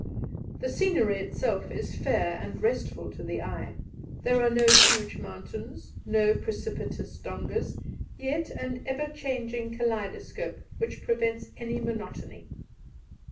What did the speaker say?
The scenery itself is fair and restful to the eye; there are no huge mountains, no precipitous dongas, yet an ever changing kaleidoscope which prevents any monotony.